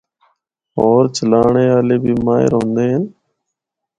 ہور چلانڑے آلے بھی ماہر ہوندے ہن۔